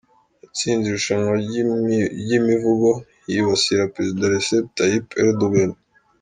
Yatsinze irushanwa ry’imivugo yibasira perezida Recep Tayyip Erdoğan.